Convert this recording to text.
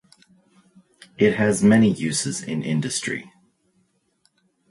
It has many uses in industry.